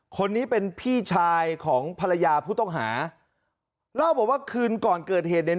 คนนี้เป็นพี่ชายของภรรยาผู้ต้องหาเล่าบอกว่าคืนก่อนเกิดเหตุเนี่ย